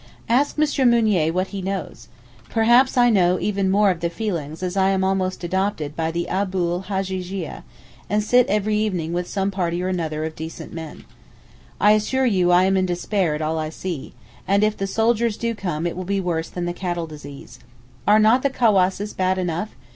Ask M. Mounier what he knows. Perhaps I know even more of the feeling as I am almost adopted by the Abu l Hajjajeeah, and sit every evening with some party or another of decent men. I assure you I am in despair at all I see—and if the soldiers do come it will be worse than the cattle disease. Are not the cawasses bad enough?